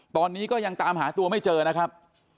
ตอนนี้ก็ยังตามหาตัวไม่เจอนะครับ